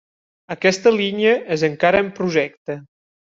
Aquesta línia és encara en projecte.